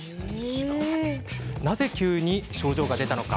なぜ急に症状が出たのか。